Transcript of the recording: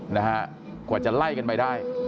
นะฮะกว่าจะไล่กันไปได้